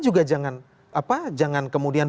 juga jangan kemudian